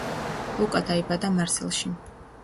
ლუკა დაიბადა მარსელში.